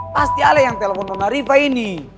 pasti ale yang telepon sama rifqi ini